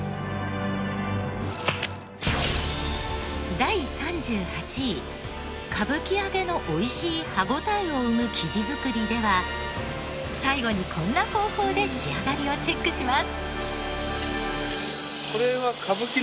第３８位歌舞伎揚のおいしい歯応えを生む生地作りでは最後にこんな方法で仕上がりをチェックします。